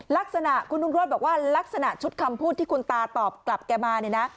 ลักษณะคุณลุงโรธบอกว่าลักษณะชุดคำพูดที่คุณตาตอบกลับแกมาเนี่ยนะ